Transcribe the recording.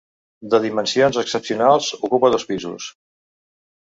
De dimensions excepcionals, ocupa dos pisos.